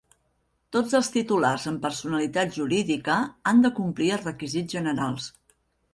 Tots els titulars amb personalitat jurídica han de complir els requisits generals.